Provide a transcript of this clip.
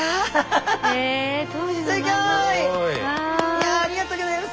いやありがとうギョざいます！